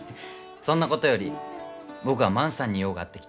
そんなことより僕は万さんに用があって来たんだよ。